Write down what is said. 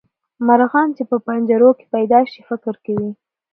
مرغان چې په پنجرو کې پیدا شي فکر کوي.